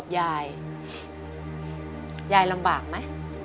ยายยายลำบากไหม